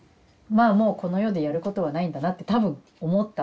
あもうこの世でやることはないんだなって多分思ったんでしょうね。